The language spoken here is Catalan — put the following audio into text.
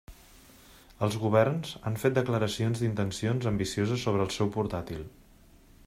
Els governs han fet declaracions d'intencions ambicioses sobre el seu portàtil.